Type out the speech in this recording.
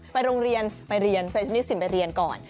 ไปโรงเรียนไปเรียนไปชนิดสินไปเรียนก่อน